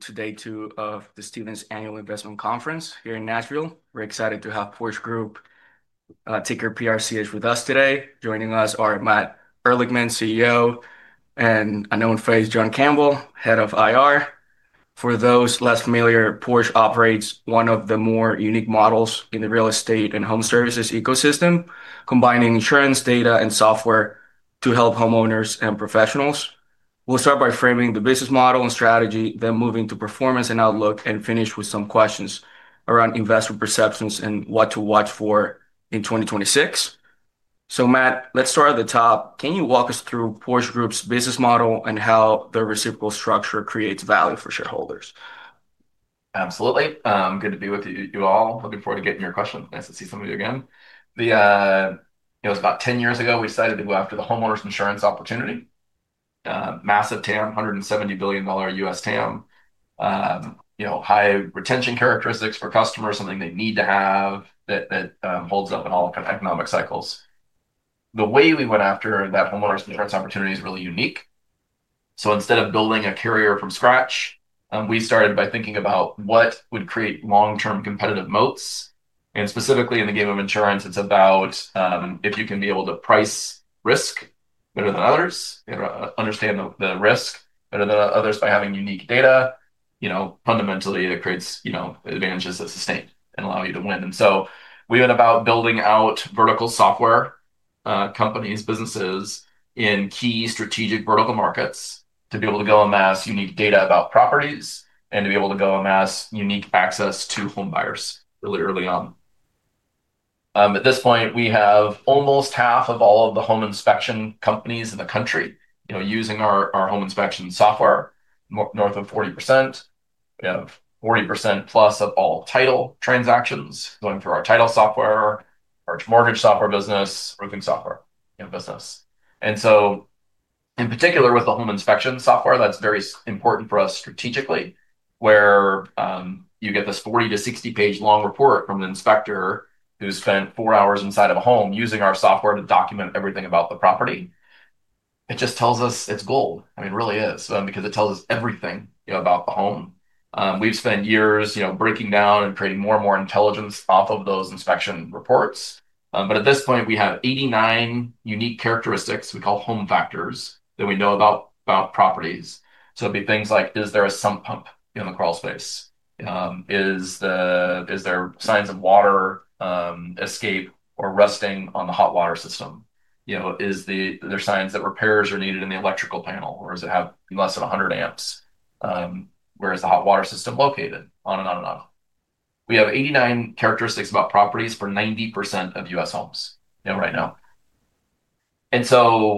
Today, too, of the Stevens Annual Investment Conference here in Nashville. We're excited to have Porch Group Ticker PRCH with us today. Joining us are Matt Ehrlichman, CEO, and a known face, John Campbell, Head of IR. For those less familiar, Porch operates one of the more unique models in the real estate and home services ecosystem, combining insurance data and software to help homeowners and professionals. We'll start by framing the business model and strategy, then moving to performance and outlook, and finish with some questions around investor perceptions and what to watch for in 2026. Matt, let's start at the top. Can you walk us through Porch Group's business model and how the reciprocal structure creates value for shareholders? Absolutely. Good to be with you all. Looking forward to getting your questions. Nice to see some of you again. It was about 10 years ago we decided to go after the homeowners insurance opportunity. Massive TAM, $170 billion U.S. TAM. High retention characteristics for customers, something they need to have that holds up in all kinds of economic cycles. The way we went after that homeowners insurance opportunity is really unique. Instead of building a carrier from scratch, we started by thinking about what would create long-term competitive moats. Specifically in the game of insurance, it's about if you can be able to price risk better than others, understand the risk better than others by having unique data. Fundamentally, it creates advantages that sustain and allow you to win. We went about building out vertical software companies, businesses in key strategic vertical markets to be able to go amass unique data about properties and to be able to go amass unique access to home buyers really early on. At this point, we have almost half of all of the home inspection companies in the country using our home inspection software, north of 40%. We have 40% plus of all title transactions going through our title software, large mortgage software business, roofing software business. In particular, with the home inspection software, that's very important for us strategically, where you get this 40-60 page long report from an inspector who spent four hours inside of a home using our software to document everything about the property. It just tells us it's gold. I mean, it really is, because it tells us everything about the home. We've spent years breaking down and creating more and more intelligence off of those inspection reports. At this point, we have 89 unique characteristics we call home factors that we know about properties. It'd be things like, is there a sump pump in the crawl space? Is there signs of water escape or rusting on the hot water system? Are there signs that repairs are needed in the electrical panel, or does it have less than 100 amps? Where is the hot water system located? On and on and on. We have 89 characteristics about properties for 90% of U.S. homes right now.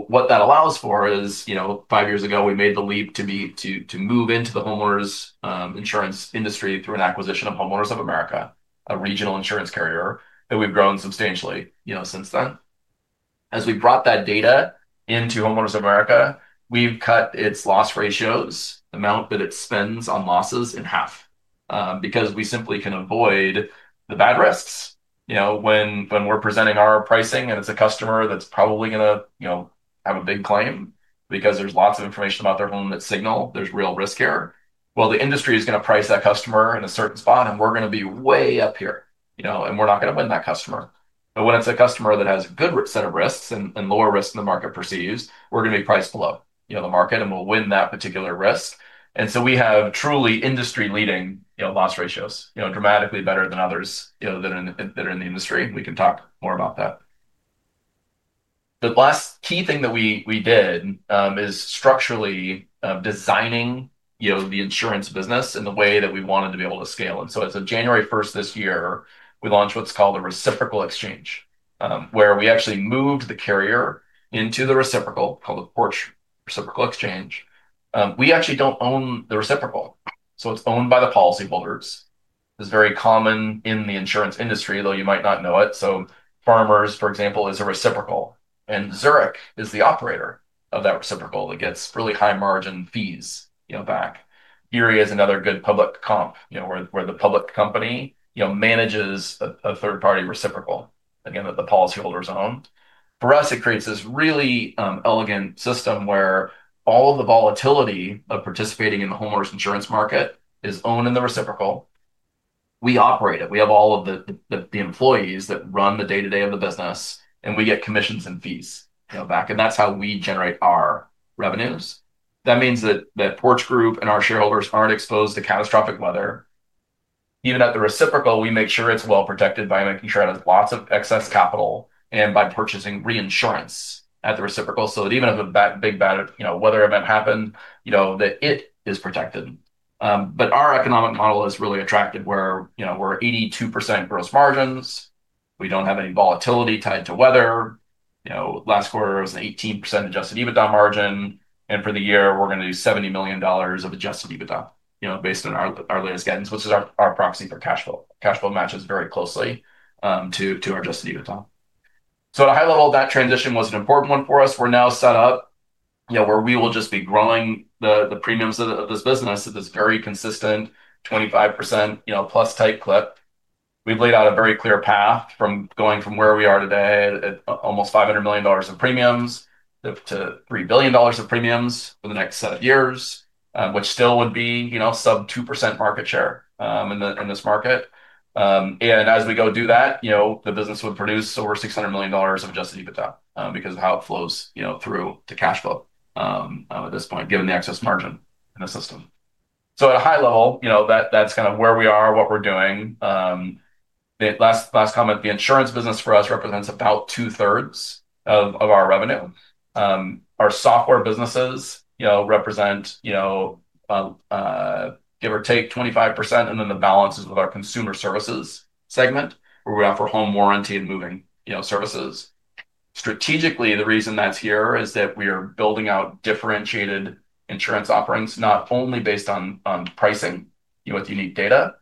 What that allows for is, five years ago, we made the leap to move into the homeowners insurance industry through an acquisition of Homeowners of America, a regional insurance carrier, and we've grown substantially since then. As we brought that data into Homeowners of America, we've cut its loss ratios, the amount that it spends on losses, in half because we simply can avoid the bad risks. When we're presenting our pricing and it's a customer that's probably going to have a big claim because there's lots of information about their home that signal there's real risk here. The industry is going to price that customer in a certain spot, and we're going to be way up here, and we're not going to win that customer. When it's a customer that has a good set of risks and lower risk than the market perceives, we're going to be priced below the market, and we'll win that particular risk. We have truly industry-leading loss ratios, dramatically better than others that are in the industry. We can talk more about that. The last key thing that we did is structurally designing the insurance business in the way that we wanted to be able to scale. As of January 1 this year, we launched what's called a reciprocal exchange, where we actually moved the carrier into the reciprocal called the Porch Reciprocal Exchange. We actually don't own the reciprocal, so it's owned by the policyholders. It's very common in the insurance industry, though you might not know it. Farmers, for example, is a reciprocal, and Zurich is the operator of that reciprocal that gets really high margin fees back. Erie is another good public comp where the public company manages a third-party reciprocal, again, that the policyholders own. For us, it creates this really elegant system where all of the volatility of participating in the homeowners insurance market is owned in the reciprocal. We operate it. We have all of the employees that run the day-to-day of the business, and we get commissions and fees back. That is how we generate our revenues. That means that Porch Group and our shareholders aren't exposed to catastrophic weather. Even at the reciprocal, we make sure it's well protected by making sure it has lots of excess capital and by purchasing reinsurance at the reciprocal so that even if a big bad weather event happened, it is protected. Our economic model has really attracted where we're 82% gross margins. We don't have any volatility tied to weather. Last quarter, it was an 18% adjusted EBITDA margin. For the year, we're going to do $70 million of adjusted EBITDA based on our latest guidance, which is our proxy for cash flow. Cash flow matches very closely to our adjusted EBITDA. At a high level, that transition was an important one for us. We're now set up where we will just be growing the premiums of this business at this very consistent 25%+ tight clip. We've laid out a very clear path from going from where we are today, almost $500 million of premiums, to $3 billion of premiums for the next set of years, which still would be sub 2% market share in this market. As we go do that, the business would produce over $600 million of adjusted EBITDA because of how it flows through to cash flow at this point, given the excess margin in the system. At a high level, that's kind of where we are, what we're doing. Last comment, the insurance business for us represents about two-thirds of our revenue. Our software businesses represent, give or take, 25%, and then the balance is with our consumer services segment, where we offer home warranty and moving services. Strategically, the reason that's here is that we are building out differentiated insurance offerings, not only based on pricing with unique data,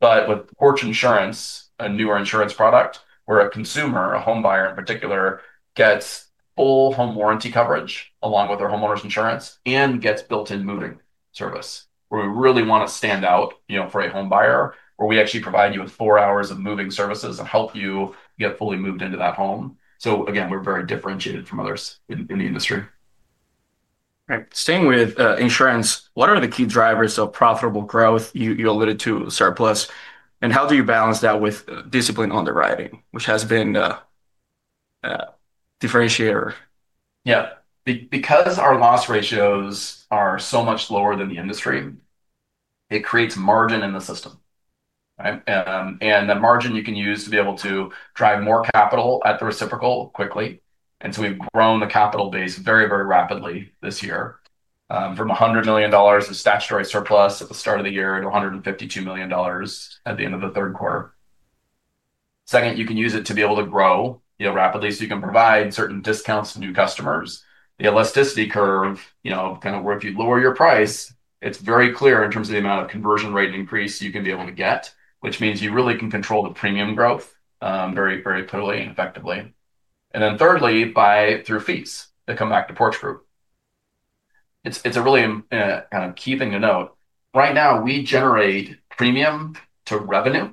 but with Porch Insurance, a newer insurance product where a consumer, a home buyer in particular, gets full home warranty coverage along with their homeowners insurance and gets built-in moving service, where we really want to stand out for a home buyer, where we actually provide you with four hours of moving services and help you get fully moved into that home. We are very differentiated from others in the industry. Right. Staying with insurance, what are the key drivers of profitable growth? You alluded to surplus. How do you balance that with discipline on the writing, which has been a differentiator? Yeah. Because our loss ratios are so much lower than the industry, it creates margin in the system. The margin you can use to be able to drive more capital at the reciprocal quickly. We have grown the capital base very, very rapidly this year from $100 million of statutory surplus at the start of the year to $152 million at the end of the third quarter. Second, you can use it to be able to grow rapidly so you can provide certain discounts to new customers. The elasticity curve, kind of where if you lower your price, it is very clear in terms of the amount of conversion rate increase you can be able to get, which means you really can control the premium growth very clearly and effectively. Thirdly, through fees that come back to Porch Group. It's a really kind of key thing to note. Right now, we generate premium to revenue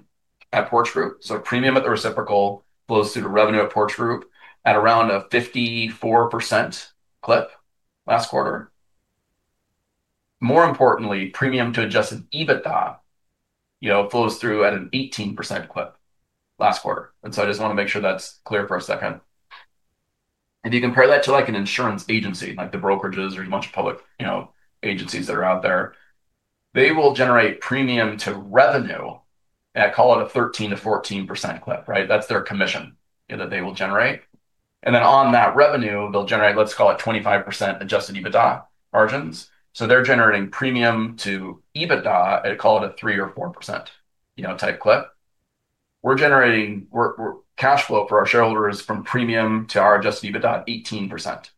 at Porch Group. So premium at the reciprocal flows through to revenue at Porch Group at around a 54% clip last quarter. More importantly, premium to adjusted EBITDA flows through at an 18% clip last quarter. I just want to make sure that's clear for a second. If you compare that to an insurance agency, like the brokerages or a bunch of public agencies that are out there, they will generate premium to revenue, and I call it a 13%-14% clip, right? That's their commission that they will generate. And then on that revenue, they'll generate, let's call it 25% adjusted EBITDA margins. They're generating premium to EBITDA, I'd call it a 3 or 4% type clip. We're generating cash flow for our shareholders from premium to our adjusted EBITDA at 18%.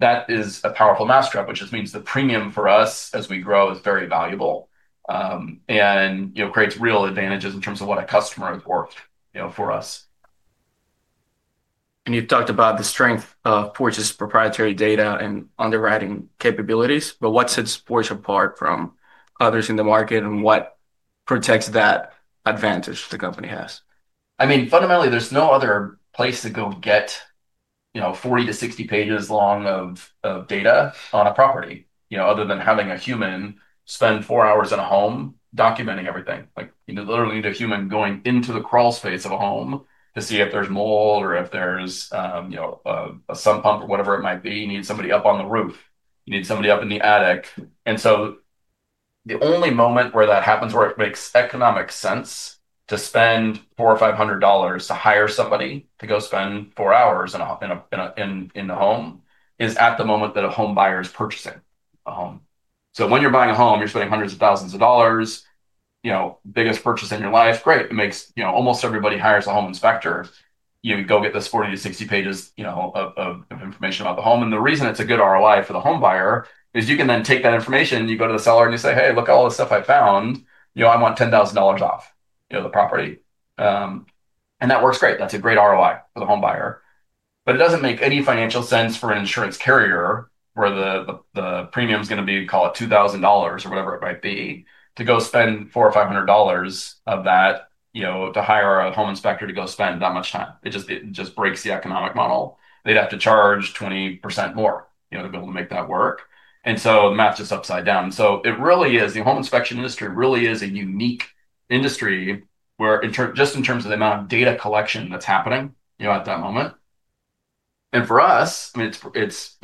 That is a powerful mousetrap, which just means the premium for us as we grow is very valuable and creates real advantages in terms of what a customer has worked for us. You talked about the strength of Porch's proprietary data and underwriting capabilities, but what sets Porch apart from others in the market and what protects that advantage the company has? I mean, fundamentally, there's no other place to go get 40-60 pages long of data on a property other than having a human spend four hours in a home documenting everything. You literally need a human going into the crawl space of a home to see if there's mold or if there's a sump pump or whatever it might be. You need somebody up on the roof. You need somebody up in the attic. The only moment where that happens, where it makes economic sense to spend $400 or $500 to hire somebody to go spend four hours in the home, is at the moment that a home buyer is purchasing a home. When you're buying a home, you're spending hundreds of thousands of dollars, biggest purchase in your life, great. Almost everybody hires a home inspector. You go get this 40-60 pages of information about the home. The reason it's a good ROI for the home buyer is you can then take that information, you go to the seller, and you say, "Hey, look at all the stuff I found. I want $10,000 off the property." That works great. That's a great ROI for the home buyer. It doesn't make any financial sense for an insurance carrier where the premium is going to be, call it $2,000 or whatever it might be, to go spend $400 or $500 of that to hire a home inspector to go spend that much time. It just breaks the economic model. They'd have to charge 20% more to be able to make that work. The math just upside down. It really is the home inspection industry really is a unique industry just in terms of the amount of data collection that's happening at that moment. For us, I mean, it's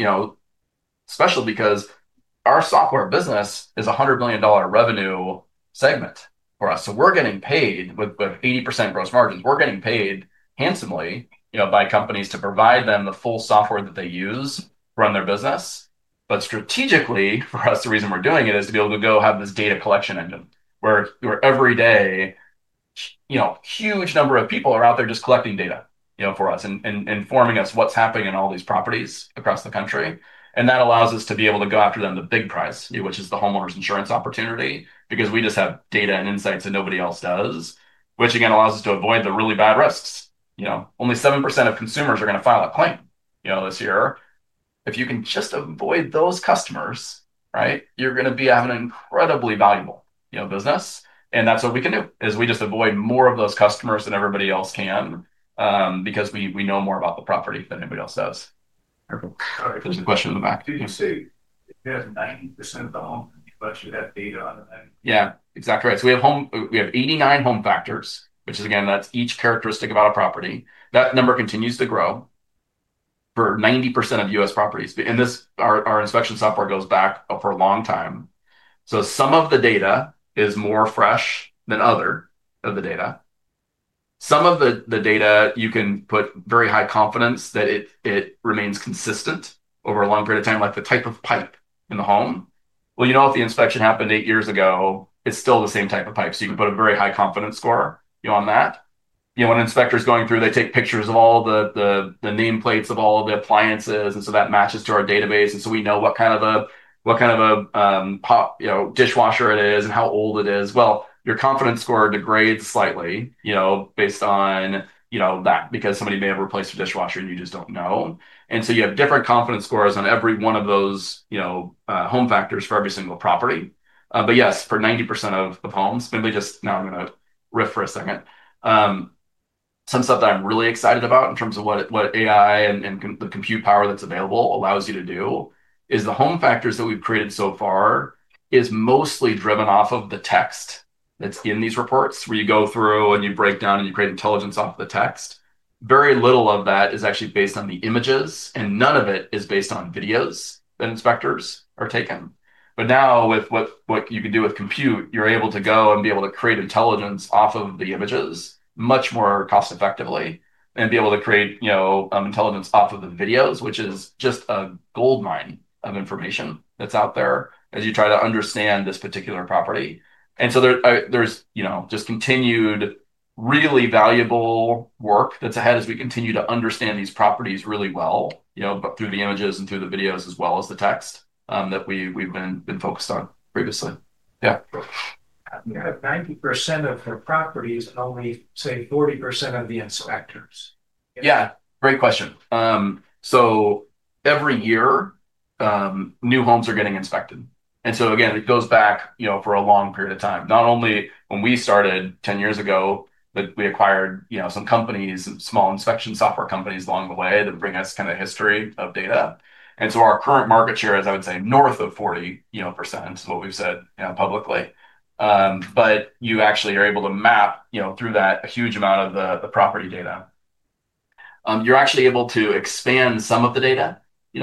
special because our software business is a $100 million revenue segment for us. We're getting paid with 80% gross margins. We're getting paid handsomely by companies to provide them the full software that they use to run their business. Strategically, for us, the reason we're doing it is to be able to go have this data collection engine where every day, huge number of people are out there just collecting data for us and informing us what's happening in all these properties across the country. That allows us to be able to go after the big prize, which is the homeowners insurance opportunity because we just have data and insights that nobody else does, which again allows us to avoid the really bad risks. Only 7% of consumers are going to file a claim this year. If you can just avoid those customers, right, you're going to be having an incredibly valuable business. That is what we can do, is we just avoid more of those customers than everybody else can because we know more about the property than anybody else does. Perfect. There's a question in the back. Did you say you have 90% of the home that you have data on? Yeah, exactly right. We have 89 home factors, which is, again, that's each characteristic about a property. That number continues to grow for 90% of U.S. properties. Our inspection software goes back for a long time. Some of the data is more fresh than other of the data. Some of the data, you can put very high confidence that it remains consistent over a long period of time, like the type of pipe in the home. You know if the inspection happened eight years ago, it's still the same type of pipe. You can put a very high confidence score on that. When an inspector is going through, they take pictures of all the nameplates of all of the appliances, and that matches to our database. We know what kind of a dishwasher it is and how old it is. Your confidence score degrades slightly based on that because somebody may have replaced your dishwasher and you just do not know. You have different confidence scores on every one of those home factors for every single property. Yes, for 90% of homes, simply just now I am going to riff for a second. Some stuff that I am really excited about in terms of what AI and the compute power that is available allows you to do is the home factors that we have created so far is mostly driven off of the text that is in these reports where you go through and you break down and you create intelligence off of the text. Very little of that is actually based on the images, and none of it is based on videos that inspectors are taking. Now with what you can do with compute, you're able to go and be able to create intelligence off of the images much more cost-effectively and be able to create intelligence off of the videos, which is just a gold mine of information that's out there as you try to understand this particular property. There is just continued really valuable work that's ahead as we continue to understand these properties really well through the images and through the videos as well as the text that we've been focused on previously. Yeah. 90% of the properties and only, say, 40% of the inspectors. Yeah. Great question. Every year, new homes are getting inspected. It goes back for a long period of time. Not only when we started 10 years ago, but we acquired some companies, some small inspection software companies along the way that bring us kind of history of data. Our current market share is, I would say, north of 40%, what we've said publicly. You actually are able to map through that a huge amount of the property data. You're actually able to expand some of the data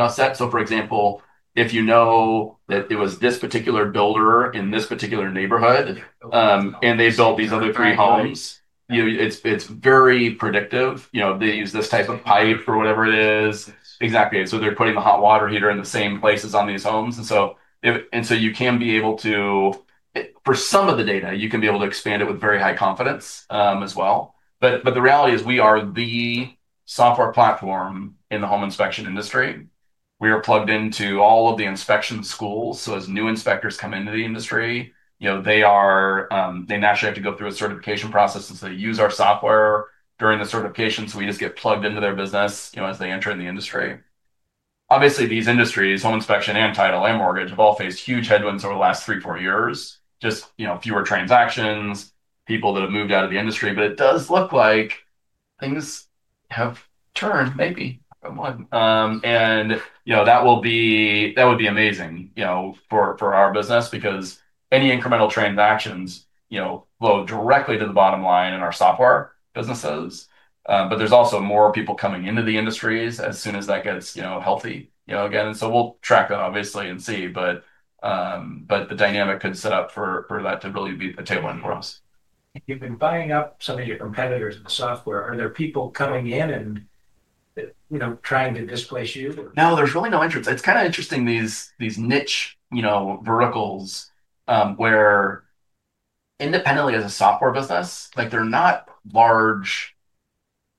set. For example, if you know that it was this particular builder in this particular neighborhood and they built these other three homes, it's very predictive. They use this type of pipe for whatever it is. Exactly. They're putting the hot water heater in the same places on these homes. You can be able to, for some of the data, expand it with very high confidence as well. The reality is we are the software platform in the home inspection industry. We are plugged into all of the inspection schools. As new inspectors come into the industry, they naturally have to go through a certification process. They use our software during the certification. We just get plugged into their business as they enter in the industry. Obviously, these industries, home inspection and title and mortgage, have all faced huge headwinds over the last three, four years, just fewer transactions, people that have moved out of the industry. It does look like things have turned maybe from one. That would be amazing for our business because any incremental transactions flow directly to the bottom line in our software businesses. There are also more people coming into the industries as soon as that gets healthy again. We will track that, obviously, and see. The dynamic could set up for that to really be the tailwind for us. If you've been buying up some of your competitors in software, are there people coming in and trying to displace you? No, there's really no interest. It's kind of interesting, these niche verticals where independently as a software business, they're not large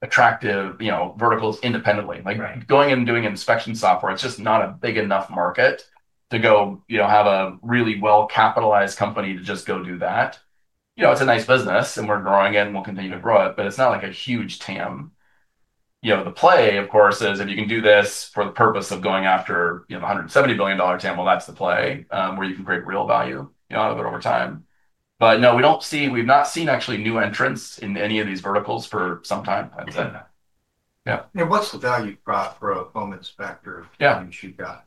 attractive verticals independently. Going and doing inspection software, it's just not a big enough market to go have a really well-capitalized company to just go do that. It's a nice business, and we're growing it, and we'll continue to grow it. It's not like a huge TAM. The play, of course, is if you can do this for the purpose of going after the $170 billion TAM, that's the play where you can create real value out of it over time. No, we've not seen actually new entrants in any of these verticals for some time. What's the value prop for a home inspector that you should got?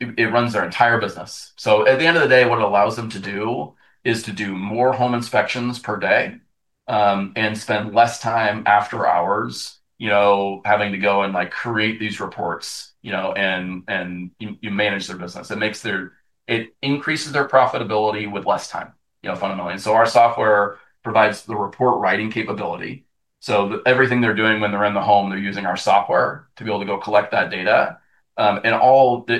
It runs their entire business. At the end of the day, what it allows them to do is to do more home inspections per day and spend less time after hours having to go and create these reports, and you manage their business. It increases their profitability with less time, fundamentally. Our software provides the report writing capability. Everything they're doing when they're in the home, they're using our software to be able to go collect that data. It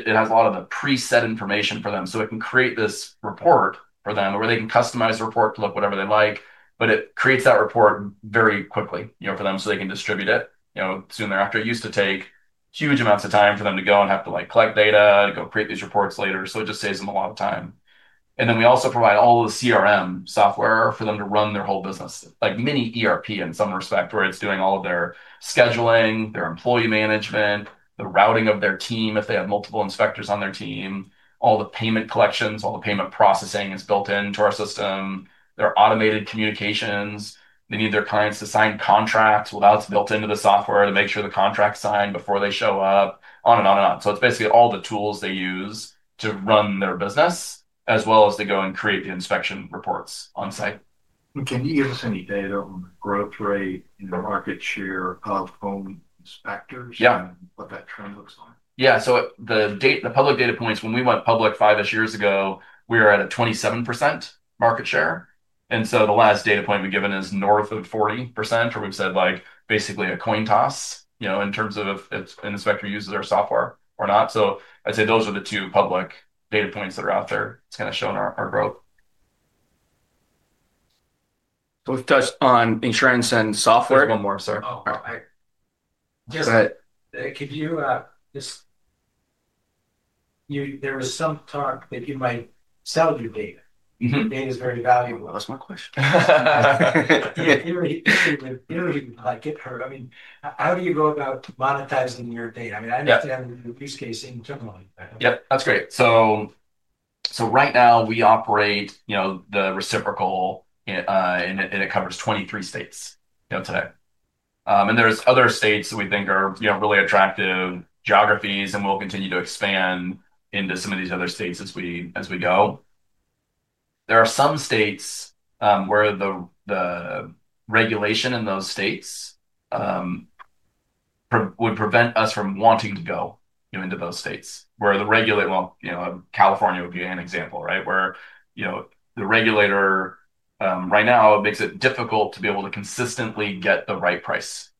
has a lot of the preset information for them. It can create this report for them where they can customize the report to look whatever they like, but it creates that report very quickly for them so they can distribute it soon thereafter. It used to take huge amounts of time for them to go and have to collect data to go create these reports later. It just saves them a lot of time. We also provide all of the CRM software for them to run their whole business, like mini ERP in some respect where it's doing all of their scheduling, their employee management, the routing of their team if they have multiple inspectors on their team, all the payment collections, all the payment processing is built into our system. There are automated communications. They need their clients to sign contracts, it's built into the software to make sure the contract's signed before they show up, on and on and on. It's basically all the tools they use to run their business as well as to go and create the inspection reports on-site. Can you give us any data on the growth rate and the market share of home inspectors and what that trend looks like? Yeah. The public data points, when we went public five-ish years ago, we were at a 27% market share. The last data point we've given is north of 40%, where we've said basically a coin toss in terms of if an inspector uses our software or not. I'd say those are the two public data points that are out there. It's kind of showing our growth. We've touched on insurance and software. There's one more, sorry. Just. Go ahead. There was some talk that you might sell your data. Data is very valuable. That was my question. You're a huge marketer. I mean, how do you go about monetizing your data? I mean, I understand the use case internally. Yep. That's great. Right now, we operate the reciprocal, and it covers 23 states today. There are other states that we think are really attractive geographies, and we'll continue to expand into some of these other states as we go. There are some states where the regulation in those states would prevent us from wanting to go into those states where the regulator, like California would be an example, right, where the regulator right now makes it difficult to be able to consistently get the right price.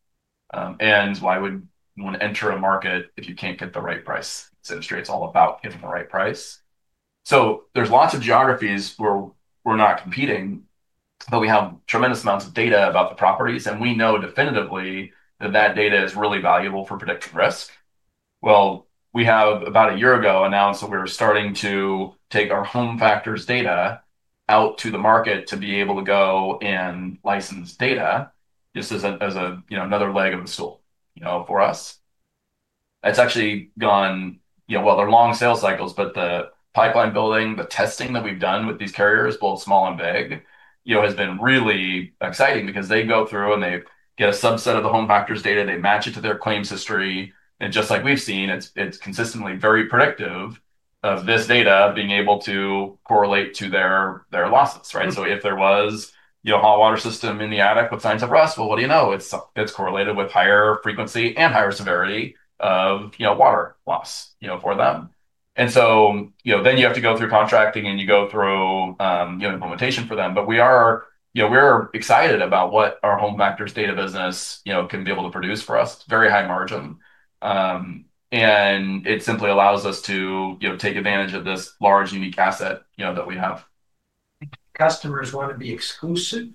Why would you want to enter a market if you can't get the right price? This industry is all about getting the right price. There are lots of geographies where we're not competing, but we have tremendous amounts of data about the properties. We know definitively that that data is really valuable for predicting risk. About a year ago, we announced that we're starting to take our Home Factors data out to the market to be able to go and license data just as another leg of the stool for us. It's actually gone well. There are long sales cycles, but the pipeline building, the testing that we've done with these carriers, both small and big, has been really exciting because they go through and they get a subset of the Home Factors data. They match it to their claims history. And just like we've seen, it's consistently very predictive of this data being able to correlate to their losses, right? If there was a hot water system in the attic with signs of rust, what do you know? It's correlated with higher frequency and higher severity of water loss for them. You have to go through contracting and you go through implementation for them. We are excited about what our Home Factors data business can be able to produce for us. It's very high margin. It simply allows us to take advantage of this large unique asset that we have. Customers want to be exclusive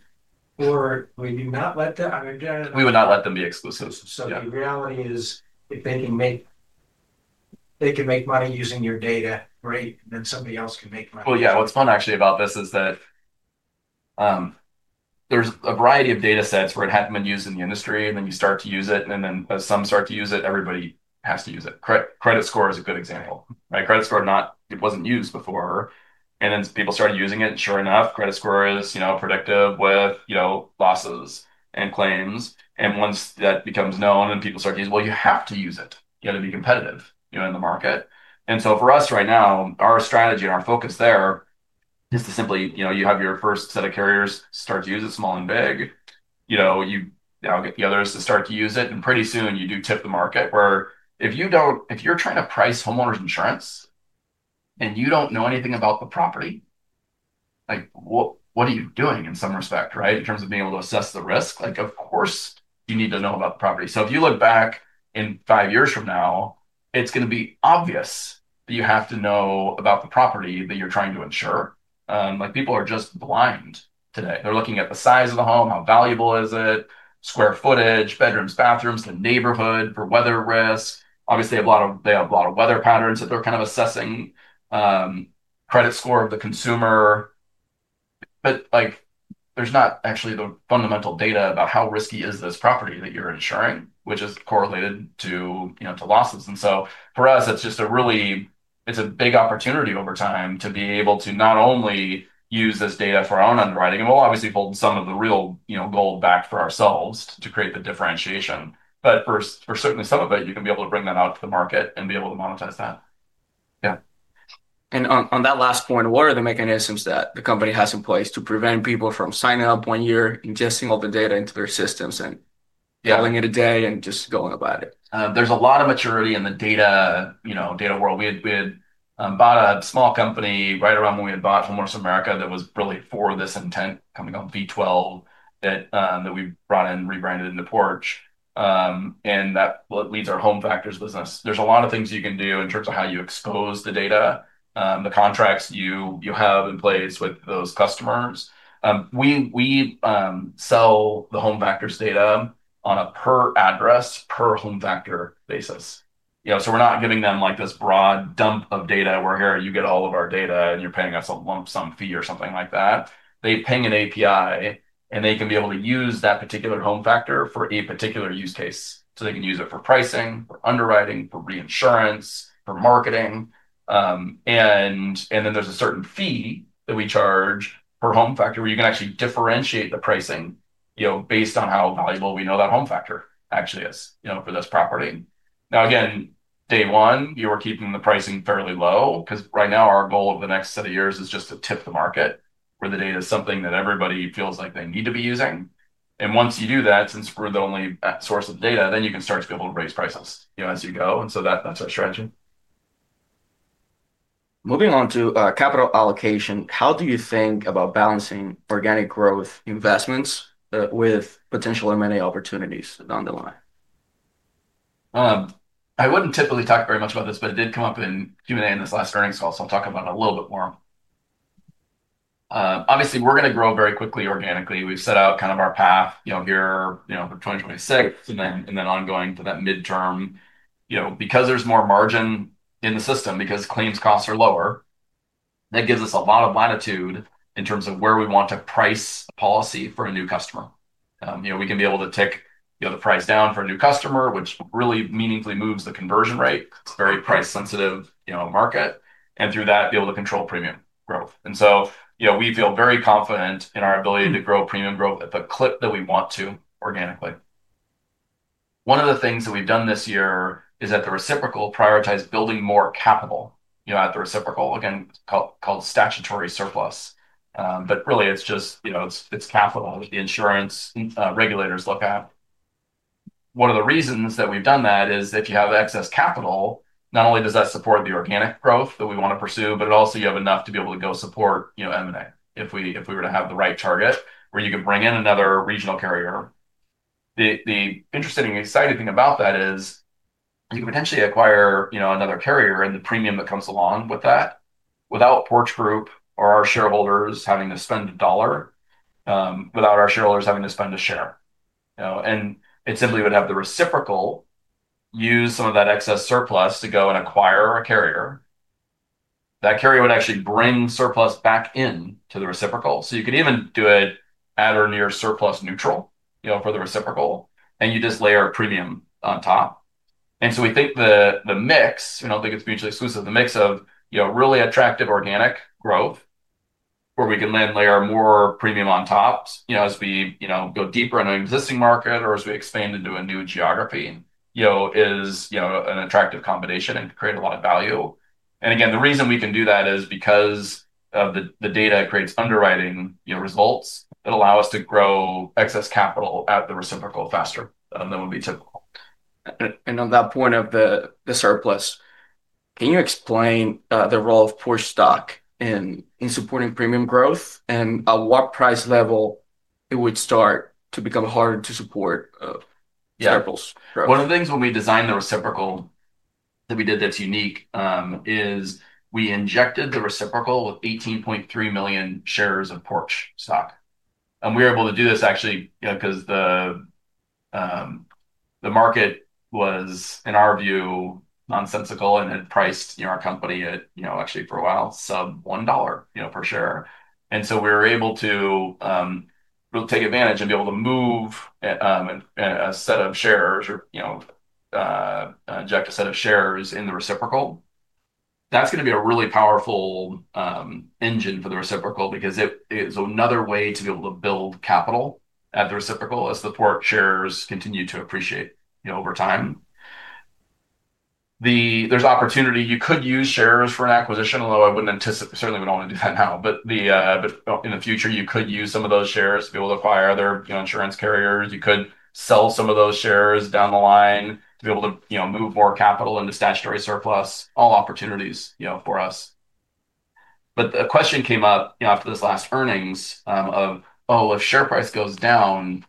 or they do not let them? We would not let them be exclusive. The reality is if they can make money using your data, great. Then somebody else can make money. What's fun actually about this is that there's a variety of data sets where it hadn't been used in the industry, and then you start to use it. As some start to use it, everybody has to use it. Credit Score is a good example, right? Credit Score wasn't used before. People started using it. Sure enough, Credit Score is predictive with losses and claims. Once that becomes known and people start to use, you have to use it. You have to be competitive in the market. For us right now, our strategy and our focus there is to simply you have your first set of carriers start to use it small and big. You get the others to start to use it. Pretty soon you do tip the market where if you're trying to price homeowners insurance and you don't know anything about the property, what are you doing in some respect, right, in terms of being able to assess the risk? Of course, you need to know about the property. If you look back in five years from now, it's going to be obvious that you have to know about the property that you're trying to insure. People are just blind today. They're looking at the size of the home, how valuable is it, square footage, bedrooms, bathrooms, the neighborhood for weather risk. Obviously, they have a lot of weather patterns that they're kind of assessing, credit score of the consumer. But there's not actually the fundamental data about how risky is this property that you're insuring, which is correlated to losses. For us, it's just a really, it's a big opportunity over time to be able to not only use this data for our own underwriting, and we'll obviously hold some of the real gold back for ourselves to create the differentiation. For certainly some of it, you can be able to bring that out to the market and be able to monetize that. Yeah. On that last point, what are the mechanisms that the company has in place to prevent people from signing up one year, ingesting all the data into their systems, and calling it a day and just going about it? There's a lot of maturity in the data world. We had bought a small company right around when we had bought Homeowners of America that was really for this intent coming on V12 that we brought in, rebranded into Porch. That leads our home factors business. There's a lot of things you can do in terms of how you expose the data, the contracts you have in place with those customers. We sell the home factors data on a per address, per home factor basis. We're not giving them this broad dump of data where, "Here, you get all of our data and you're paying us a lump sum fee or something like that." They ping an API and they can be able to use that particular home factor for a particular use case. They can use it for pricing, for underwriting, for reinsurance, for marketing. There is a certain fee that we charge per home factor where you can actually differentiate the pricing based on how valuable we know that home factor actually is for this property. Now, again, day one, you are keeping the pricing fairly low because right now our goal over the next set of years is just to tip the market where the data is something that everybody feels like they need to be using. Once you do that, since we are the only source of data, you can start to be able to raise prices as you go. That is our strategy. Moving on to capital allocation, how do you think about balancing organic growth investments with potential M&A opportunities down the line? I wouldn't typically talk very much about this, but it did come up in Q&A in this last earnings call. I'll talk about it a little bit more. Obviously, we're going to grow very quickly organically. We've set out kind of our path here for 2026 and then ongoing to that midterm. Because there's more margin in the system, because claims costs are lower, that gives us a lot of latitude in terms of where we want to price a policy for a new customer. We can be able to tick the price down for a new customer, which really meaningfully moves the conversion rate. It's a very price-sensitive market. Through that, be able to control premium growth. We feel very confident in our ability to grow premium growth at the clip that we want to organically. One of the things that we've done this year is at the reciprocal prioritize building more capital at the reciprocal, again, called statutory surplus. It is just capital that the insurance regulators look at. One of the reasons that we've done that is if you have excess capital, not only does that support the organic growth that we want to pursue, but also you have enough to be able to go support M&A if we were to have the right target where you could bring in another regional carrier. The interesting and exciting thing about that is you can potentially acquire another carrier and the premium that comes along with that without Porch Group or our shareholders having to spend a dollar, without our shareholders having to spend a share. It simply would have the reciprocal use some of that excess surplus to go and acquire a carrier. That carrier would actually bring surplus back into the reciprocal. You could even do it at or near surplus neutral for the reciprocal, and you just layer a premium on top. We think the mix, I do not think it is mutually exclusive, the mix of really attractive organic growth where we can layer more premium on top as we go deeper into an existing market or as we expand into a new geography is an attractive combination and creates a lot of value. The reason we can do that is because the data creates underwriting results that allow us to grow excess capital at the reciprocal faster than would be typical. On that point of the surplus, can you explain the role of Porch stock in supporting premium growth and at what price level it would start to become harder to support surplus growth? Yeah. One of the things when we designed the reciprocal that we did that's unique is we injected the reciprocal with 18.3 million shares of Porch stock. And we were able to do this actually because the market was, in our view, nonsensical and had priced our company at actually for a while sub $1 per share. And so we were able to really take advantage and be able to move a set of shares or inject a set of shares in the reciprocal. That's going to be a really powerful engine for the reciprocal because it is another way to be able to build capital at the reciprocal as the Porch shares continue to appreciate over time. There's opportunity. You could use shares for an acquisition, although I certainly wouldn't want to do that now. In the future, you could use some of those shares to be able to acquire other insurance carriers. You could sell some of those shares down the line to be able to move more capital into statutory surplus. All opportunities for us. The question came up after this last earnings of, "Oh, if share price goes down,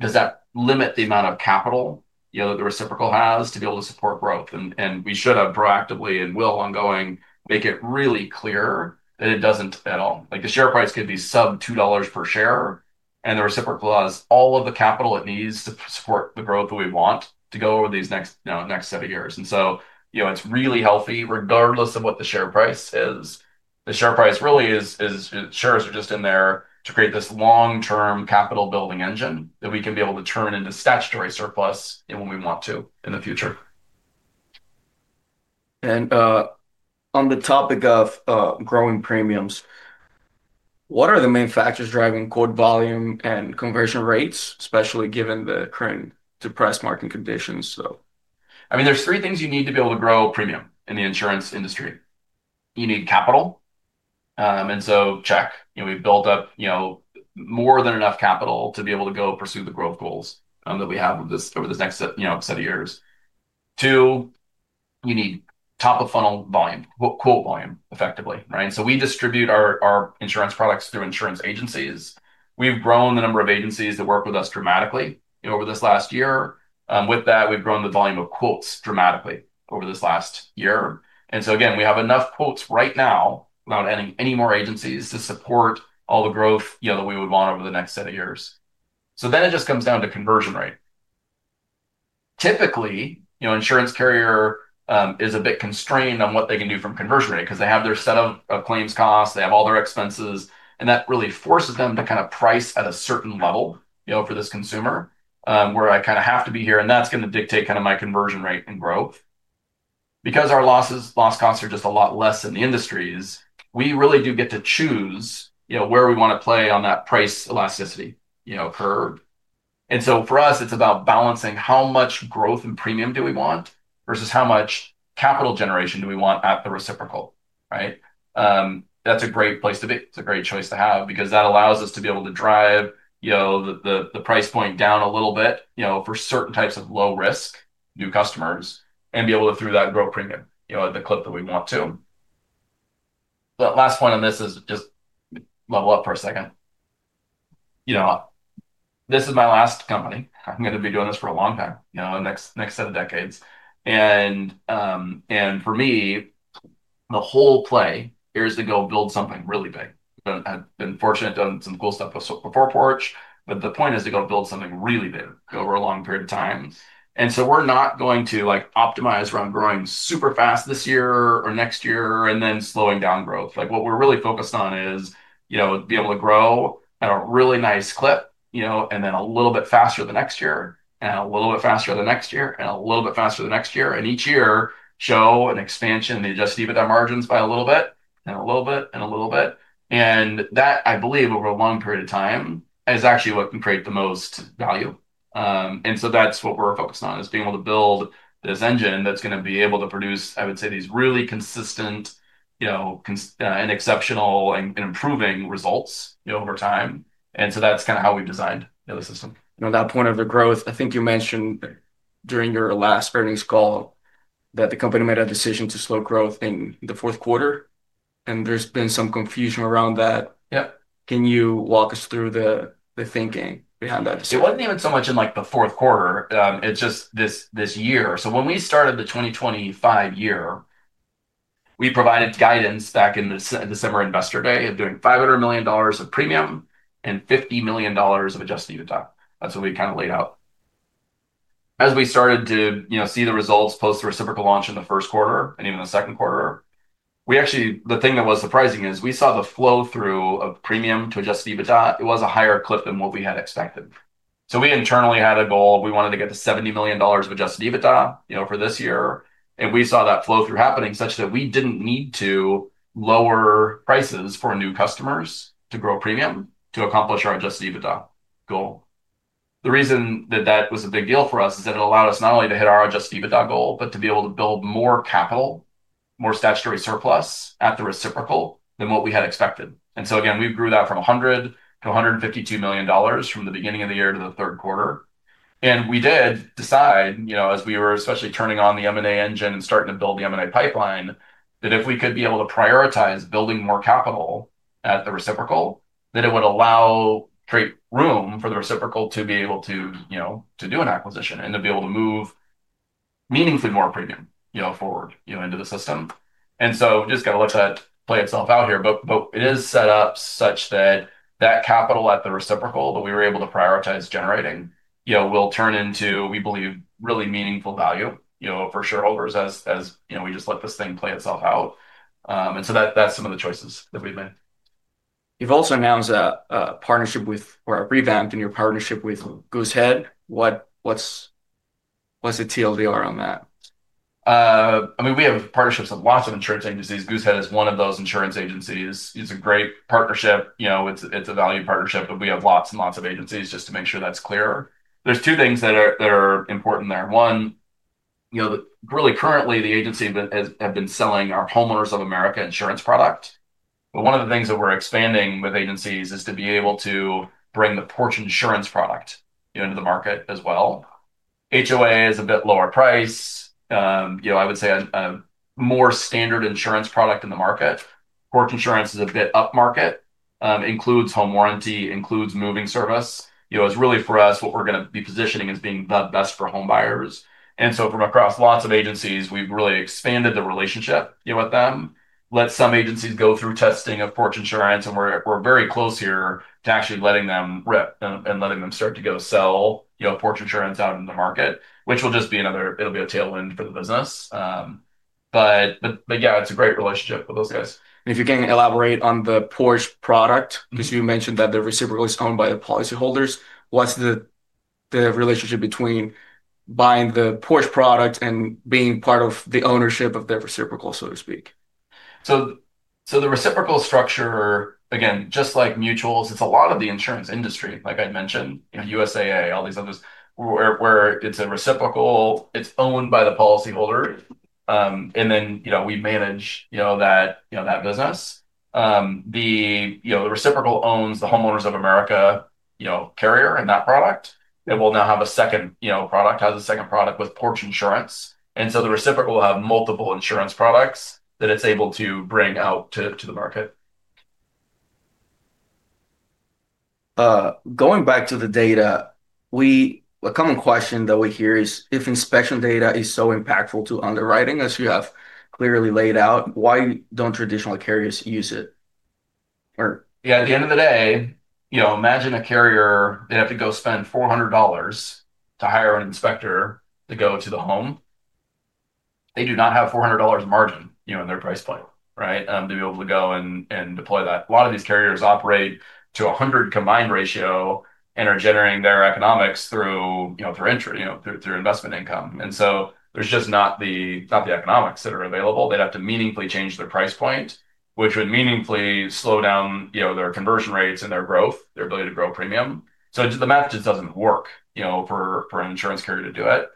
does that limit the amount of capital that the reciprocal has to be able to support growth?" We should have proactively and will ongoing make it really clear that it does not at all. The share price could be sub $2 per share, and the reciprocal has all of the capital it needs to support the growth that we want to go over these next set of years. It is really healthy regardless of what the share price is. The share price really is shares are just in there to create this long-term capital building engine that we can be able to turn into statutory surplus when we want to in the future. On the topic of growing premiums, what are the main factors driving core volume and conversion rates, especially given the current depressed market conditions? I mean, there's three things you need to be able to grow premium in the insurance industry. You need capital. And so check, we've built up more than enough capital to be able to go pursue the growth goals that we have over this next set of years. Two, you need top of funnel volume, quote volume effectively, right? And so we distribute our insurance products through insurance agencies. We've grown the number of agencies that work with us dramatically over this last year. With that, we've grown the volume of quotes dramatically over this last year. And so again, we have enough quotes right now without adding any more agencies to support all the growth that we would want over the next set of years. So then it just comes down to conversion rate. Typically, insurance carrier is a bit constrained on what they can do from conversion rate because they have their set of claims costs, they have all their expenses, and that really forces them to kind of price at a certain level for this consumer where I kind of have to be here. That is going to dictate kind of my conversion rate and growth. Because our loss costs are just a lot less in the industries, we really do get to choose where we want to play on that price elasticity curve. For us, it is about balancing how much growth and premium do we want versus how much capital generation do we want at the reciprocal, right? That is a great place to be. It's a great choice to have because that allows us to be able to drive the price point down a little bit for certain types of low-risk new customers and be able to throw that growth premium at the clip that we want to. Last point on this is just level up for a second. This is my last company. I'm going to be doing this for a long time, next set of decades. For me, the whole play is to go build something really big. I've been fortunate to have done some cool stuff before Porch, but the point is to go build something really big over a long period of time. We are not going to optimize around growing super fast this year or next year and then slowing down growth. What we're really focused on is being able to grow at a really nice clip and then a little bit faster the next year and a little bit faster the next year and a little bit faster the next year. Each year show an expansion and the adjusting of their margins by a little bit and a little bit and a little bit. That, I believe, over a long period of time is actually what can create the most value. That's what we're focused on is being able to build this engine that's going to be able to produce, I would say, these really consistent and exceptional and improving results over time. That's kind of how we've designed the system. On that point of the growth, I think you mentioned during your last earnings call that the company made a decision to slow growth in the fourth quarter. There's been some confusion around that. Can you walk us through the thinking behind that decision? It wasn't even so much in the fourth quarter. It's just this year. When we started the 2025 year, we provided guidance back in December Investor Day of doing $500 million of premium and $50 million of adjusted EBITDA. That's what we kind of laid out. As we started to see the results post-reciprocal launch in the first quarter and even the second quarter, the thing that was surprising is we saw the flow-through of premium to adjusted EBITDA. It was a higher clip than what we had expected. We internally had a goal. We wanted to get to $70 million of adjusted EBITDA for this year. We saw that flow-through happening such that we didn't need to lower prices for new customers to grow premium to accomplish our adjusted EBITDA goal. The reason that that was a big deal for us is that it allowed us not only to hit our adjusted EBITDA goal, but to be able to build more capital, more statutory surplus at the reciprocal than what we had expected. We grew that from $100 million to $152 million from the beginning of the year to the third quarter. We did decide, as we were especially turning on the M&A engine and starting to build the M&A pipeline, that if we could be able to prioritize building more capital at the reciprocal, it would create room for the reciprocal to be able to do an acquisition and to be able to move meaningfully more premium forward into the system. We just got to let that play itself out here. It is set up such that that capital at the reciprocal that we were able to prioritize generating will turn into, we believe, really meaningful value for shareholders as we just let this thing play itself out. That is some of the choices that we have made. You've also announced a partnership with or a revamp in your partnership with Goosehead. What's the TL;DR on that? I mean, we have partnerships with lots of insurance agencies. Goosehead is one of those insurance agencies. It's a great partnership. It's a valued partnership, but we have lots and lots of agencies just to make sure that's clear. There are two things that are important there. One, really currently, the agency has been selling our Homeowners of America insurance product. One of the things that we're expanding with agencies is to be able to bring the Porch Insurance product into the market as well. HOA is a bit lower price. I would say a more standard insurance product in the market. Porch Insurance is a bit up market. Includes home warranty, includes moving service. It's really for us what we're going to be positioning as being the best for home buyers. From across lots of agencies, we've really expanded the relationship with them, let some agencies go through testing of Porch Insurance, and we're very close here to actually letting them rip and letting them start to go sell Porch Insurance out into the market, which will just be another, it'll be a tailwind for the business. Yeah, it's a great relationship with those guys. If you can elaborate on the Porch product, because you mentioned that the reciprocal is owned by the policyholders, what's the relationship between buying the Porch product and being part of the ownership of their reciprocal, so to speak? The reciprocal structure, again, just like mutuals, it's a lot of the insurance industry, like I'd mentioned, USAA, all these others where it's a reciprocal, it's owned by the policyholder, and then we manage that business. The reciprocal owns the Homeowners of America carrier and that product. It will now have a second product, has a second product with Porch Insurance. The reciprocal will have multiple insurance products that it's able to bring out to the market. Going back to the data, a common question that we hear is if inspection data is so impactful to underwriting as you have clearly laid out, why don't traditional carriers use it? Yeah. At the end of the day, imagine a carrier that had to go spend $400 to hire an inspector to go to the home. They do not have $400 margin in their price point, right, to be able to go and deploy that. A lot of these carriers operate to a 100 combined ratio and are generating their economics through entry, through investment income. There is just not the economics that are available. They'd have to meaningfully change their price point, which would meaningfully slow down their conversion rates and their growth, their ability to grow premium. The math just doesn't work for an insurance carrier to do it.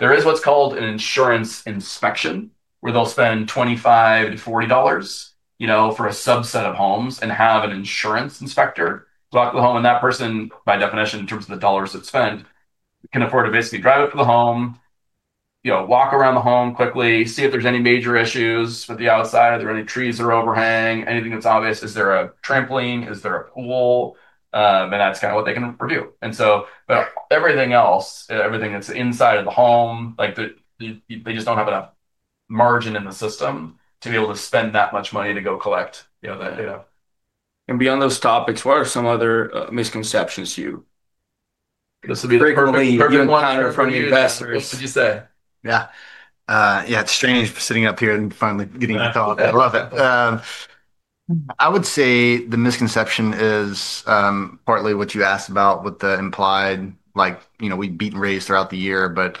There is what's called an insurance inspection where they'll spend $25-$40 for a subset of homes and have an insurance inspector walk the home. That person, by definition, in terms of the dollars that's spent, can afford to basically drive up to the home, walk around the home quickly, see if there's any major issues with the outside. Are there any trees that are overhanging? Anything that's obvious? Is there a trampoline? Is there a pool? That's kind of what they can review. Everything else, everything that's inside of the home, they just don't have enough margin in the system to be able to spend that much money to go collect that data. Beyond those topics, what are some other misconceptions you? This will be a perfect one from investors. What would you say? Yeah. Yeah. It's strange sitting up here and finally getting a thought. I love it. I would say the misconception is partly what you asked about with the implied, we'd beat and raise throughout the year, but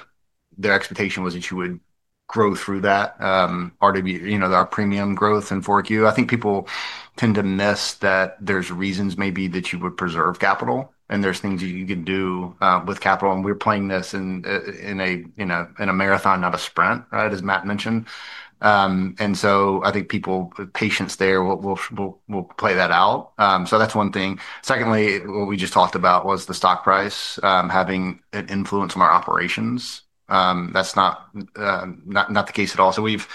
their expectation was that you would grow through that. Our premium growth in Porch U. I think people tend to miss that there's reasons maybe that you would preserve capital, and there's things you can do with capital. We're playing this in a marathon, not a sprint, right, as Matt mentioned. I think people, patience there, we'll play that out. That's one thing. Secondly, what we just talked about was the stock price having an influence on our operations. That's not the case at all. We've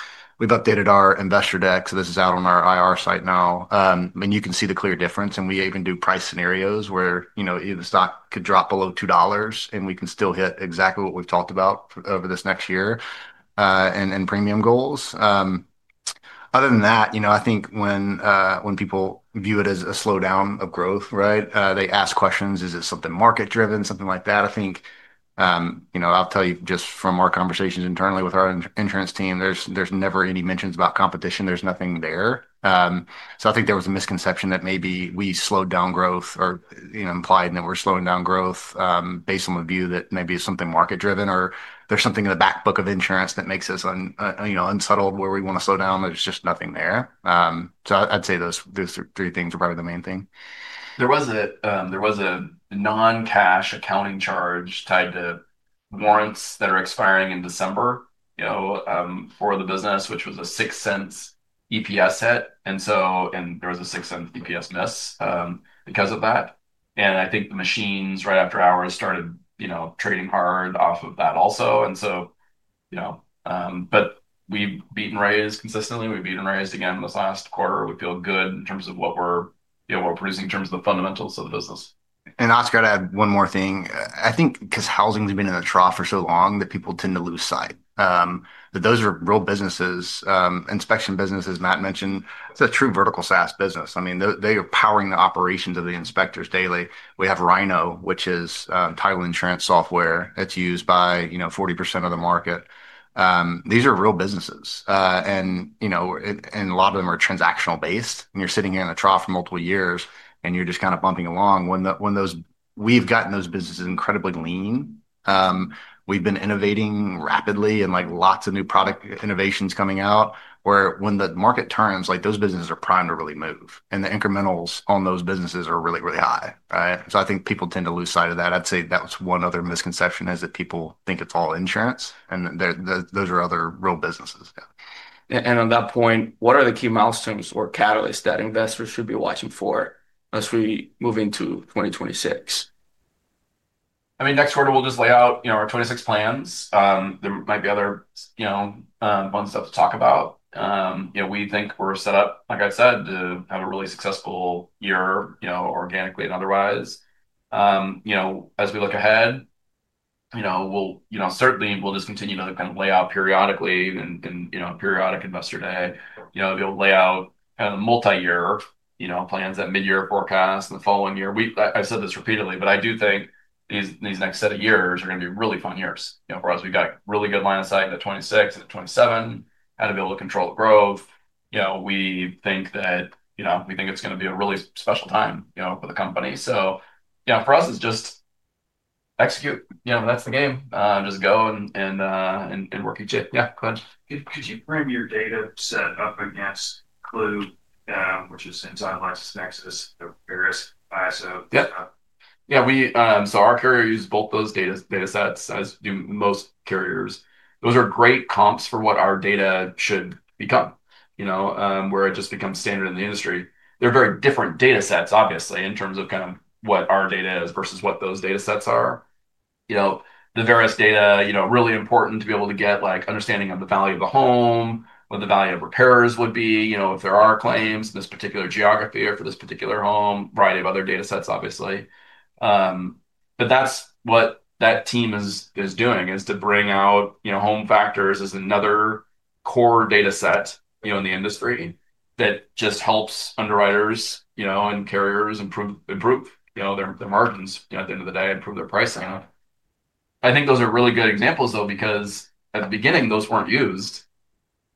updated our investor deck. This is out on our IR site now. You can see the clear difference. We even do price scenarios where the stock could drop below $2, and we can still hit exactly what we've talked about over this next year and premium goals. Other than that, I think when people view it as a slowdown of growth, right, they ask questions, is it something market-driven, something like that? I think I'll tell you just from our conversations internally with our insurance team, there's never any mentions about competition. There's nothing there. I think there was a misconception that maybe we slowed down growth or implied that we're slowing down growth based on the view that maybe it's something market-driven or there's something in the backbook of insurance that makes us unsettled where we want to slow down. There's just nothing there. I'd say those three things are probably the main thing. There was a non-cash accounting charge tied to warrants that are expiring in December for the business, which was a $0.06 EPS hit. There was a $0.06 EPS miss because of that. I think the machines right after hours started trading hard off of that also. We've beaten and raised consistently. We've beaten and raised again this last quarter. We feel good in terms of what we're producing in terms of the fundamentals of the business. Oscar, I'd add one more thing. I think because housing has been in a trough for so long that people tend to lose sight. Those are real businesses, inspection businesses, Matt mentioned. It's a true vertical SaaS business. I mean, they are powering the operations of the inspectors daily. We have Rhino, which is title insurance software. It's used by 40% of the market. These are real businesses. A lot of them are transactional-based. You're sitting here in a trough for multiple years, and you're just kind of bumping along. We've gotten those businesses incredibly lean. We've been innovating rapidly and lots of new product innovations coming out where when the market turns, those businesses are primed to really move. The incrementals on those businesses are really, really high, right? I think people tend to lose sight of that. I'd say that's one other misconception is that people think it's all insurance. Those are other real businesses. Yeah. On that point, what are the key milestones or catalysts that investors should be watching for as we move into 2026? I mean, next quarter, we'll just lay out our 2026 plans. There might be other fun stuff to talk about. We think we're set up, like I said, to have a really successful year organically and otherwise. As we look ahead, certainly we'll just continue to kind of lay out periodically and periodic investor day, be able to lay out kind of the multi-year plans, that mid-year forecast, and the following year. I've said this repeatedly, but I do think these next set of years are going to be really fun years for us. We've got really good line of sight at 2026 and at 2027, how to be able to control the growth. We think that we think it's going to be a really special time for the company. For us, it's just execute. That's the game. Just go and work each year. Yeah, go ahead. Could you frame your data set up against Clue, which is inside of LexisNexis, the various ISO stuff? Yeah. Our carrier uses both those data sets as do most carriers. Those are great comps for what our data should become, where it just becomes standard in the industry. They're very different data sets, obviously, in terms of kind of what our data is versus what those data sets are. The various data, really important to be able to get understanding of the value of the home, what the value of repairs would be, if there are claims in this particular geography or for this particular home, variety of other data sets, obviously. That's what that team is doing, is to bring out Home Factors as another core data set in the industry that just helps underwriters and carriers improve their margins at the end of the day, improve their pricing. I think those are really good examples, though, because at the beginning, those weren't used.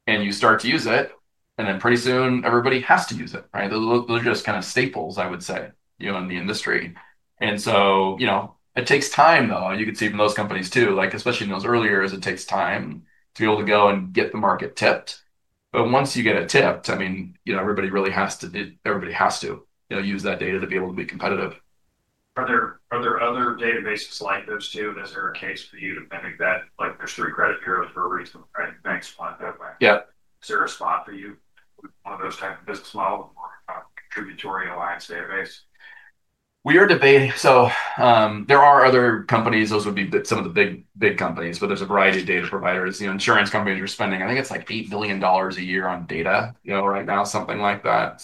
You start to use it, and then pretty soon, everybody has to use it, right? Those are just kind of staples, I would say, in the industry. It takes time, though. You could see from those companies, too, especially in those earlier years, it takes time to be able to go and get the market tipped. Once you get it tipped, I mean, everybody really has to use that data to be able to be competitive. Are there other databases like those too? Is there a case for you to mimic that? There's three credit bureaus for a reason, right? Banks want it that way. Is there a spot for you on those types of business models or a contributory alliance database? We are debating. There are other companies. Those would be some of the big companies, but there's a variety of data providers. Insurance companies are spending, I think it's like $8 billion a year on data right now, something like that.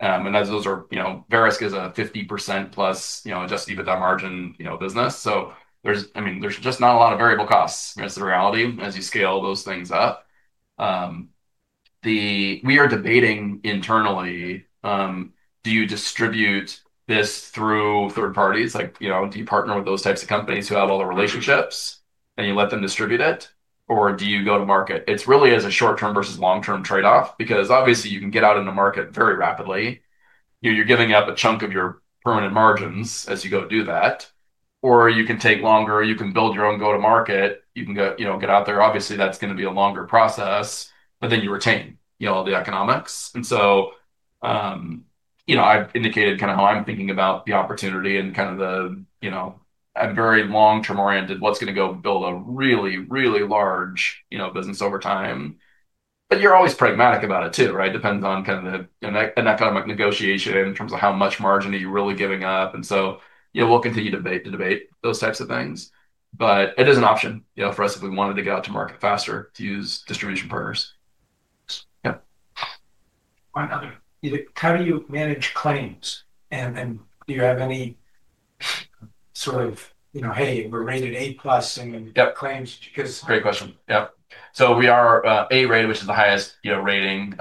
Verisk is a 50% plus just even that margin business. I mean, there's just not a lot of variable costs. That's the reality as you scale those things up. We are debating internally, do you distribute this through third parties? Do you partner with those types of companies who have all the relationships and you let them distribute it, or do you go to market? It's really as a short-term versus long-term trade-off because obviously, you can get out in the market very rapidly. You're giving up a chunk of your permanent margins as you go do that. You can take longer, you can build your own go-to-market, you can get out there. Obviously, that's going to be a longer process, but then you retain all the economics. I've indicated kind of how I'm thinking about the opportunity and kind of the I'm very long-term oriented, what's going to go build a really, really large business over time. You're always pragmatic about it too, right? Depends on kind of the economic negotiation in terms of how much margin are you really giving up. We'll continue to debate those types of things. It is an option for us if we wanted to go out to market faster to use distribution partners. Yeah. How do you manage claims? And do you have any sort of, "Hey, we're rated A-plus in claims? Great question. Yeah. We are A-rated, which is the highest rating,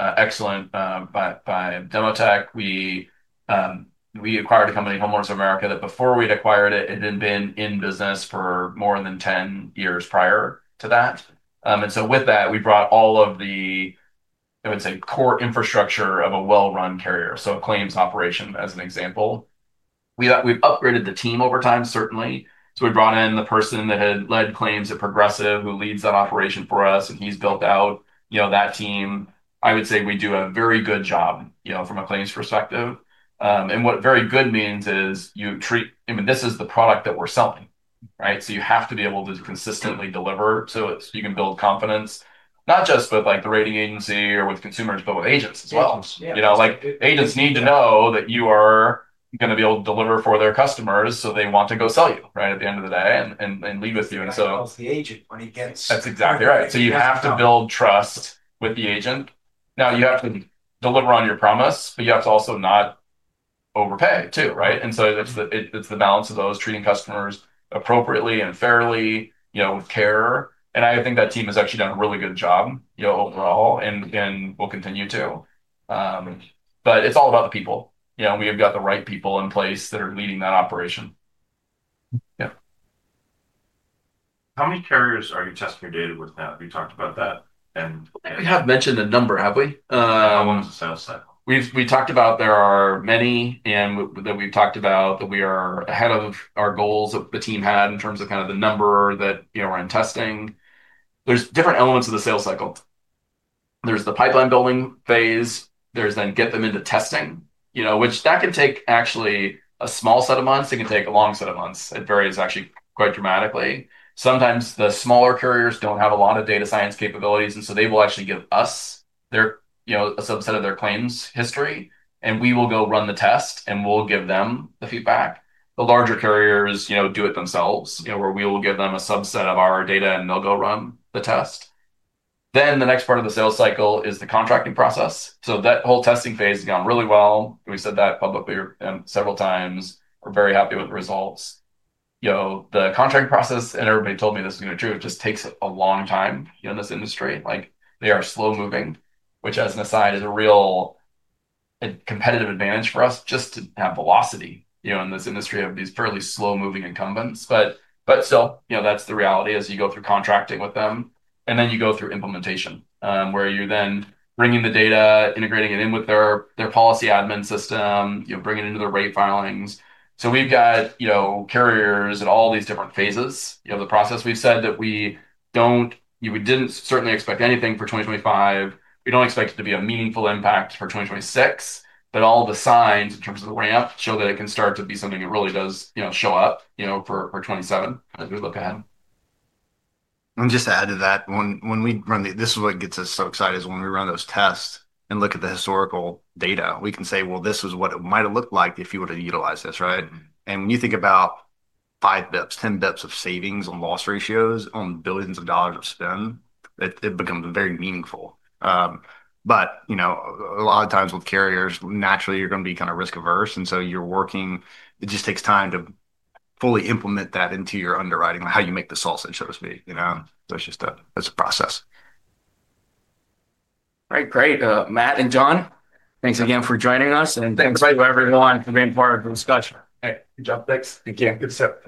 excellent by Demotech. We acquired a company, Homeowners of America, that before we had acquired it, it had been in business for more than 10 years prior to that. With that, we brought all of the, I would say, core infrastructure of a well-run carrier. A claims operation, as an example. We've upgraded the team over time, certainly. We brought in the person that had led claims at Progressive, who leads that operation for us, and he's built out that team. I would say we do a very good job from a claims perspective. What very good means is you treat, I mean, this is the product that we're selling, right? You have to be able to consistently deliver so you can build confidence, not just with the rating agency or with consumers, but with agents as well. Agents need to know that you are going to be able to deliver for their customers so they want to go sell you, right, at the end of the day and leave with you. That's what he calls the agent when he gets. That's exactly right. You have to build trust with the agent. You have to deliver on your promise, but you have to also not overpay too, right? It is the balance of those treating customers appropriately and fairly with care. I think that team has actually done a really good job overall and will continue to. It is all about the people. We have got the right people in place that are leading that operation. Yeah. How many carriers are you testing your data with now? Have you talked about that? We have mentioned a number, have we? Elements of sales cycle. We talked about there are many that we've talked about that we are ahead of our goals that the team had in terms of kind of the number that we're in testing. There's different elements of the sales cycle. There's the pipeline building phase. There's then get them into testing, which that can take actually a small set of months. It can take a long set of months. It varies actually quite dramatically. Sometimes the smaller carriers don't have a lot of data science capabilities, and so they will actually give us a subset of their claims history, and we will go run the test, and we'll give them the feedback. The larger carriers do it themselves, where we will give them a subset of our data, and they'll go run the test. The next part of the sales cycle is the contracting process. That whole testing phase has gone really well. We said that publicly several times. We're very happy with the results. The contracting process, and everybody told me this was going to be true, it just takes a long time in this industry. They are slow-moving, which, as an aside, is a real competitive advantage for us just to have velocity in this industry of these fairly slow-moving incumbents. Still, that's the reality as you go through contracting with them. You go through implementation, where you're then bringing the data, integrating it in with their policy admin system, bringing it into their rate filings. We've got carriers at all these different phases. The process, we've said that we didn't certainly expect anything for 2025. We do not expect it to be a meaningful impact for 2026, but all the signs in terms of the ramp show that it can start to be something that really does show up for 2027 as we look ahead. Just to add to that, when we run the—this is what gets us so excited—is when we run those tests and look at the historical data, we can say, "Well, this was what it might have looked like if you were to utilize this," right? When you think about 5 basis points, 10 basis points of savings on loss ratios on billions of dollars of spend, it becomes very meaningful. A lot of times with carriers, naturally, you're going to be kind of risk-averse. You're working; it just takes time to fully implement that into your underwriting, how you make the sausage, so to speak. It is just a process. All right. Great. Matt and John, thanks again for joining us. Thanks. Thanks to everyone for being part of the discussion. Hey, good job. Thanks. Thank you. Good stuff.